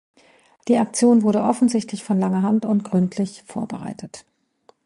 Die Aktion wurde offensichtlich von langer Hand und gründlich vorbereitet.